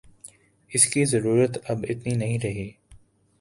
اس کی ضرورت اب اتنی نہیں رہی